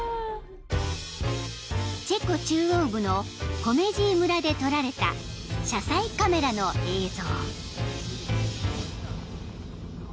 ［チェコ中央部のポメジー村で撮られた車載カメラの映像］